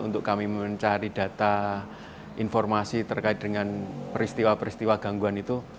untuk kami mencari data informasi terkait dengan peristiwa peristiwa gangguan itu